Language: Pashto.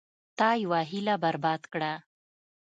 تا یوه هیله برباد کړه.